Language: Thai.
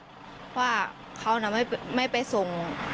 เพราะว่าเขาน่ะไม่ไปส่ง